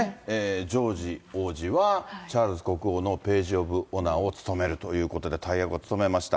ジョージ王子はチャールズ国王のページ・オブ・オナーを務めるということで、大役を務めました。